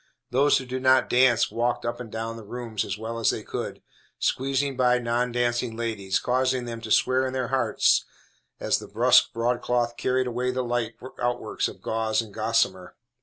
Those who did not dance walked up and down the rooms as well as they could, squeezing by non dancing ladies, causing them to swear in their hearts as the brusque broadcloth carried away the light outworks of gauze and gossamer.